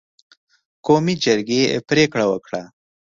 قومي جرګې پرېکړه وکړه